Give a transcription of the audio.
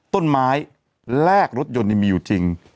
ต้นไม้แลกรถยนต์มีอยู่จริง